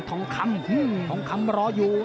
ทองคำทองคำรออยู่